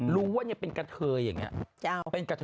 รู้ว่าเนี่ยเป็นกะเทออย่างเงี้ย